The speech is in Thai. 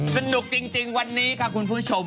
สนุกจริงวันนี้ค่ะคุณผู้ชม